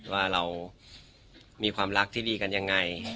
ว่าเรามีความรักที่ดีกันยังไง